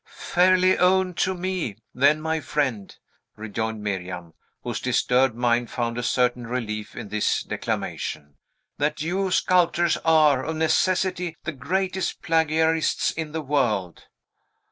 "Fairly own to me, then, my friend," rejoined Miriam, whose disturbed mind found a certain relief in this declamation, "that you sculptors are, of necessity, the greatest plagiarists in the world."